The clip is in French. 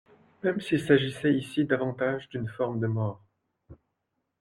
Même s’il s’agissait ici davantage d’une forme de mort.